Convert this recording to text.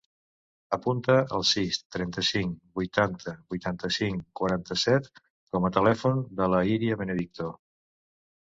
Apunta el sis, trenta-cinc, vuitanta, vuitanta-cinc, quaranta-set com a telèfon de l'Iria Benedicto.